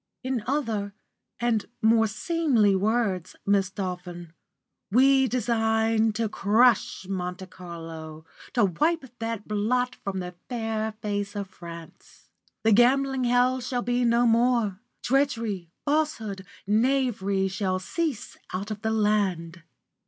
"In other and more seemly words, Miss Dolphin, we design to crush Monte Carlo, to wipe that blot from the fair face of France. The gambling hell shall be no more; treachery, falsehood, knavery shall cease out of the land."